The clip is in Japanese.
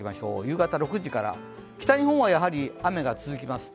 夕方６時から、北日本はやはり雨が続きます。